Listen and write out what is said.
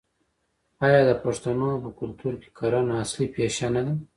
آیا د پښتنو په کلتور کې کرنه اصلي پیشه نه ده؟